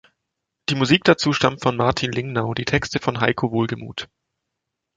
Die Musik dazu stammt von Martin Lingnau, die Texte von Heiko Wohlgemuth.